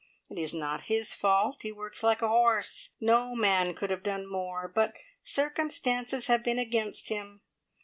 It is not his fault; he works like a horse; no man could have done more, but circumstances have been against him.